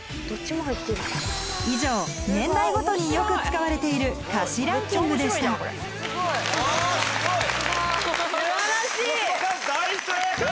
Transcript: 以上年代ごとによく使われている歌詞ランキングでした黒島さん大正解！